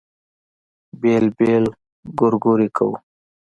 بېل بېل ګورګورې کوو.